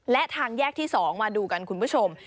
และทางแยกที่๒มาดูกันคุณผู้ชม